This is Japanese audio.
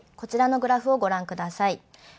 こちらのグラフをご覧ください。